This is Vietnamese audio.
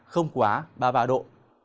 không quá ba mươi ba độ